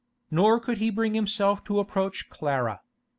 Nor could he bring himself to approach Clara.